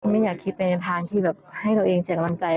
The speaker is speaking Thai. ไม่อยากคิดไปในทางที่แบบให้ตัวเองเสียกำลังใจ